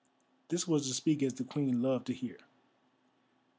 This was to speak as the Queen loved to hear.